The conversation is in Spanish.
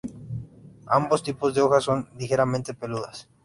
Ambos tipos de hojas son ligeramente peludas.